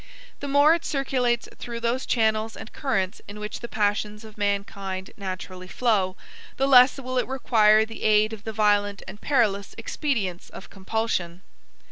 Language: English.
The more it circulates through those channels and currents in which the passions of mankind naturally flow, the less will it require the aid of the violent and perilous expedients of compulsion.